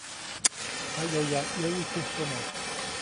Jaʼyoyaʼuŋ ʼyäwi tyäjkomo.